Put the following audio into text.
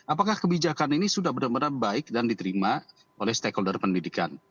apakah kebijakan ini sudah benar benar baik dan diterima oleh stakeholder pendidikan